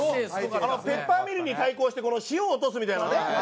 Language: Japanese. ペッパーミルに対抗して塩落とすみたいなね。